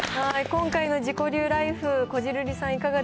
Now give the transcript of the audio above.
今回の自己流ライフ、こじる